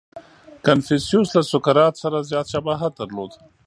• کنفوسیوس له سوکرات سره زیات شباهت درلود.